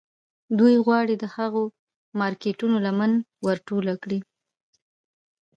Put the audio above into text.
دوی غواړي د هغو مارکیټونو لمن ور ټوله کړي